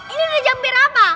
ini udah jam berapa